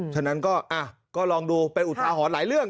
ฉะนั้นก็ลองดูเป็นอุทาหรณ์หลายเรื่อง